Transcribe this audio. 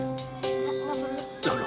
pak aku gak boleh